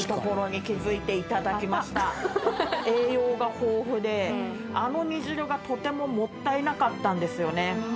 栄養が豊富であの煮汁がとてももったいなかったんですよね。